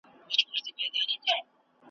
دا واعظ مي آزمېیلی په پیمان اعتبار نسته .